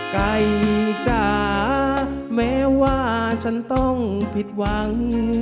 ไก่จ๋าแม้ว่าฉันต้องผิดหวัง